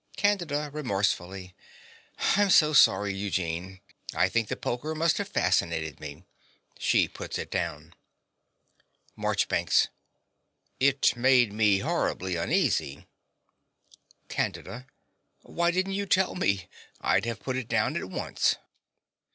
CANDIDA (remorsefully). I'm so sorry, Eugene. I think the poker must have fascinated me. (She puts it down.) MARCHBANKS. It made me horribly uneasy. CANDIDA. Why didn't you tell me? I'd have put it down at once.